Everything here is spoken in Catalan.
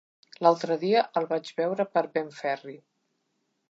L'altre dia el vaig veure per Benferri.